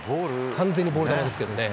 完全にボール球ですけどね。